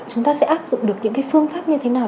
chúng ta sẽ áp dụng được những phương pháp như thế nào